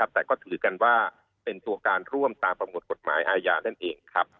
แต่ก็ถือกันว่าเป็นตัวการร่วมตามประมวลกฎหมายอาญานั่นเองครับ